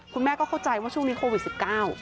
คุณแม่ก็เข้าใจว่าช่วงนี้โควิด๑๙